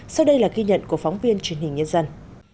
sau đây là ghi nhận của phóng viên truyền hình nhân dân